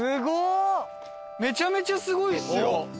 めちゃめちゃすごいですよ。